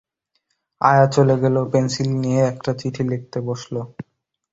আয়া চলে গেলে ও পেনসিল নিয়ে একটা চিঠি লিখতে বসল।